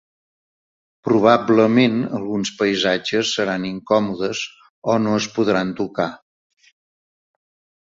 Probablement alguns paisatges seran incòmodes o no es podran tocar.